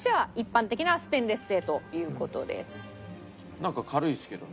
なんか軽いですけどね。